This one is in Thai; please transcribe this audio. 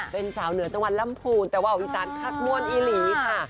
เป็นสาวเหนือจังหวัดลำพูนแต่ว่าอีสานคัดมวลอีหลีค่ะ